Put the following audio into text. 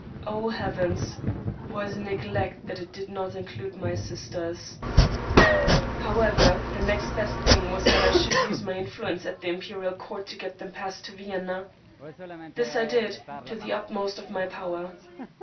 O heavens! what a neglect that it did not include my sisters ! However, the next best thing was that I should use my influence at the imperial court to get them passed to Vienna. This I did, to the utmost of my power.